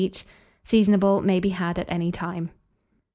each. Seasonable. May be had at any time.